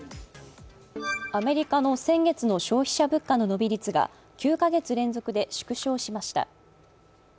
アメリカの先月の消費者物価の伸び率が９か月連続で縮小しました。